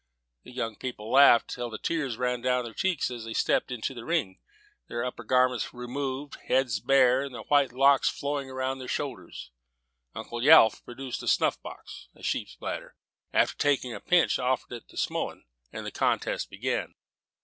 The young people laughed till the tears ran down their cheeks as they stepped into the ring, their upper garments removed, heads bare, and the white locks flowing round their shoulders. Uncle Yelf, producing his snuff box, a sheep's bladder, after taking a pinch, offered it to Smullen, and the contest began.